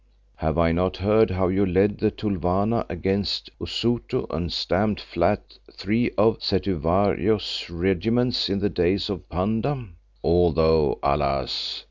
Have I not heard how you led the Tulwana against the Usutu and stamped flat three of Cetywayo's regiments in the days of Panda, although, alas!